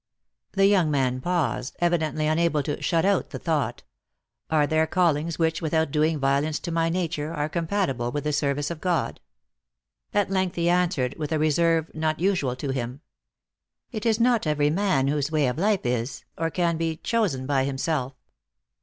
The young man paused, evidently unable^ to shut out the thought, " Are there callings, which, without doing violence to my nature, are compatible with the service of God ?" At length he answered, with a re serve not usual to him, u It is not every man whose way of life is, or can be, chosen by himself."